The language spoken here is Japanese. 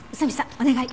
お願い。